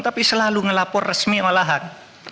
tapi selalu ngelapor resmi olahan